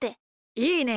いいね！